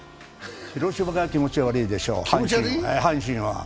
広島が気持ち悪いでしょう、阪神は。